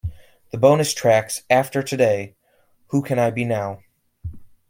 The bonus tracks "After Today", "Who Can I Be Now?